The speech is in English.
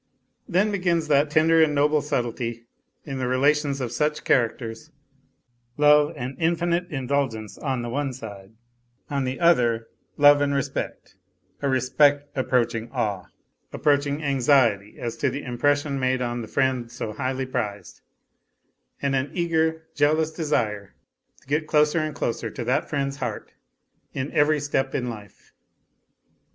Then begins that tender and noble subtlety in the relations of such characters, love and infinite indulgence on the one side, on the other love and respect a respect approaching awe, approaching anxiety as to the impression made on the friend so highly prized, and an eager, jealous desire to get closer and closer to that friend's heart in every step in life.